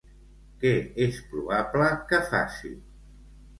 Què és probable que faci?